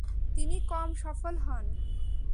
তিনি কম সফল হন।